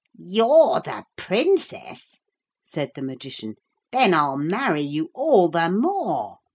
'You're the Princess,' said the Magician. 'Then I'll marry you all the more.